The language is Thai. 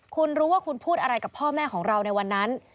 คุณรู้ว่าคุณพูดอะไรกับพ่อแม่ของเราในวันนั้น